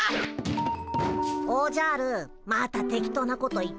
おじゃるまたテキトーなこと言って。